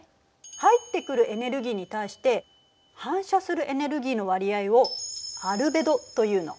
入ってくるエネルギーに対して反射するエネルギーの割合を「アルベド」というの。